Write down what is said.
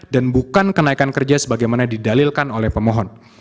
dan bukan kenaikan kerja sebagaimana didalilkan oleh pemohon